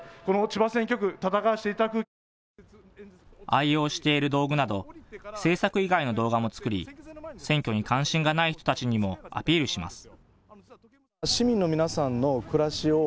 愛用している道具など、政策以外の動画も作り、選挙に関心がない人たちにもアピールします。